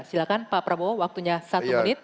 silahkan pak prabowo waktunya satu menit